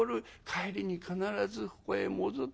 帰りに必ずここへ戻ってくる。